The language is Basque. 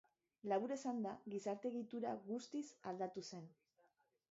Labur esanda, gizarte-egitura guztiz aldatu zen.